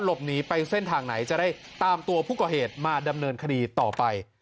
หลบหนีไปเส้นทางไหนจะได้ตามตัวผู้ก่อเหตุมาดำเนินคดีต่อไป